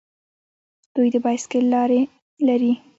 دوی د بایسکل لارې لري.